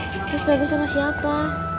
terus baiknya sama siapa